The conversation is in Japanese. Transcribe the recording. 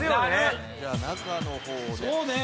じゃあ中の方をね。